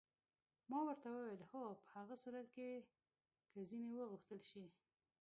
ما ورته وویل: هو، په هغه صورت کې که ځینې وغوښتل شي.